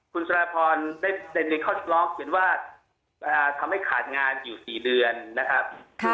คุณสรรยพรในข้อเรียกร้องเขียนว่าทำให้ขาดงานอยู่๔เดือนนะครับ